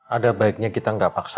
ada baiknya kita nggak paksa